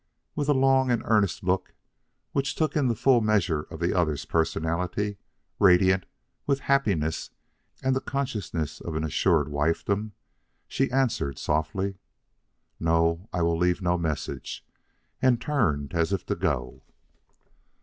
With a long and earnest look which took in the full measure of the other's personality, radiant with happiness and the consciousness of an assured wifedom, she answered softly: "No, I will leave no message," and turned as if to go.